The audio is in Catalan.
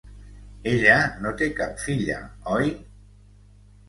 Ella no té cap filla, oi?